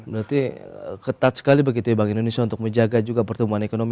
berarti ketat sekali begitu ya bagi indonesia untuk menjaga juga pertumbuhan ekonomi